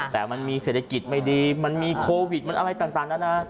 แต่มันมีเศรษฐกิจไม่ดีมันมีโควิดมันอะไรต่างนานา